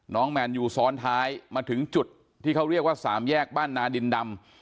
แมนยูซ้อนท้ายมาถึงจุดที่เขาเรียกว่าสามแยกบ้านนาดินดำ